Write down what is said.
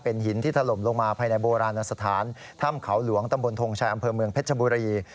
หินที่ถล่มลงมาภายในโบราณสถานถ้ำเขาหลวงตำบลทงชัยอำเภอเมืองเพชรบุรี